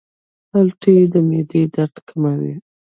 مالټې د معدې درد کموي.